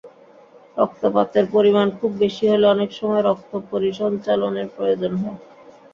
রক্তপাতের পরিমাণ খুব বেশি হলে অনেক সময় রক্ত পরিসঞ্চালনের প্রয়োজন হয়।